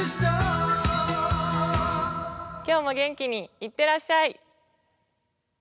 今日も元気にいってらっしゃい。